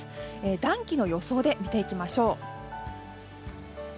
暖気の予想で見ていきましょう。